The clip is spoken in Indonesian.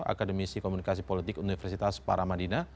akademisi komunikasi politik universitas paramadina